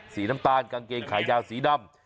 สีน้ำตาลกางเกงขายาวสีดำ